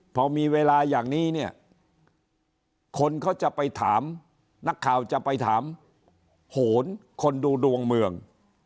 พอมีเวลาอย่างนี้เนี่ยคนเขาจะไปถามนักข่าวจะไปถามโหนคนดูดวงเมือง